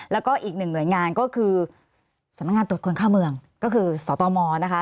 แล้วก็อีกหนึ่งหน่วยงานก็คือสำนักงานตรวจคนเข้าเมืองก็คือสตมนะคะ